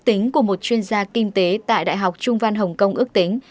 tính của một chuyên gia kinh tế tại đại học trung văn hồng kông ước tính